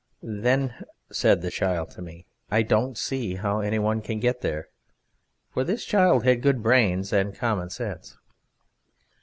"Then," said the child to me, "I don't see how any one can get there" for this child had good brains and common sense.